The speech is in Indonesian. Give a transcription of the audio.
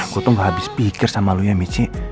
aku tuh gak habis pikir sama lo ya michi